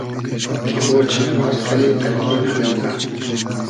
کی مۉ چیم واز کئنی تئرکی نئمومنۂ